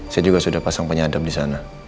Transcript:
saya juga sudah pasang penyadap disana